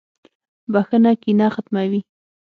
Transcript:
• بخښنه کینه ختموي.